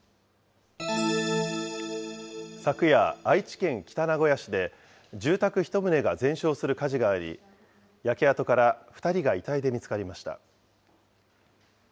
昨夜、愛知県北名古屋市で住宅１棟が全焼する火事があり、焼け跡から２人が遺体で見つかりました。